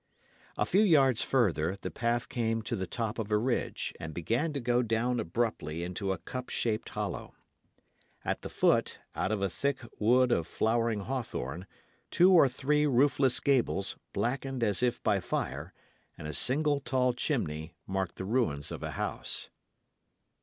A few yards further, the path came to the top of a ridge and began to go down abruptly into a cup shaped hollow. At the foot, out of a thick wood of flowering hawthorn, two or three roofless gables, blackened as if by fire, and a single tall chimney marked the ruins of a house.